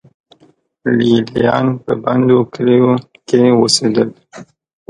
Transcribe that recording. لې لیان په بندو کلیو کې اوسېدل